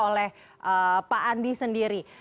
oleh pak andi sendiri